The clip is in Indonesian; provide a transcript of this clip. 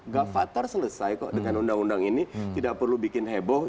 ghafatar selesai kok dengan undang undang ini tidak perlu bikin heboh